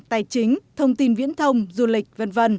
tài chính thông tin viễn thông du lịch v v